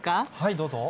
どうぞ。